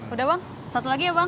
udah bang satu lagi ya bang